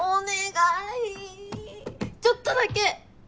ちょっとだけ！